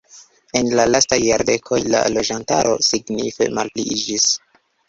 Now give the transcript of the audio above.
En la lastaj jardekoj la loĝantaro signife malpliiĝis.